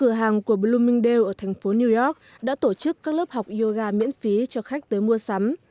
cửa hàng của blooming daew ở thành phố new york đã tổ chức các lớp học yoga miễn phí cho khách tới mua sắm